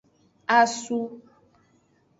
Asu.